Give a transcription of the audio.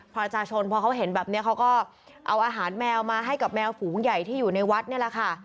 ประชาชนพอเขาเห็นแบบนี้เขาก็เอาอาหารแมวมาให้กับแมวฝูงใหญ่ที่อยู่ในวัดนี่แหละค่ะ